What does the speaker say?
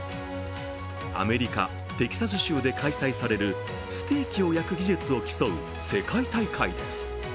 アメリカ・テキサス州で開催されるステーキを焼く技術を競う世界大会です。